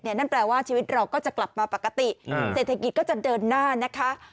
นั่นแปลว่าชีวิตเราก็จะกลับมาปกติเศรษฐกิจก็จะเดินหน้านะคะ